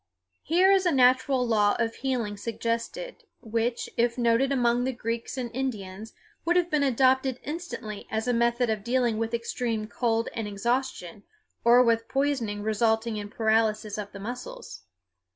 Here is a natural law of healing suggested, which, if noted among the Greeks and Indians, would have been adopted instantly as a method of dealing with extreme cold and exhaustion, or with poisoning resulting in paralysis of the muscles.